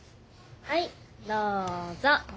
はいどうぞ。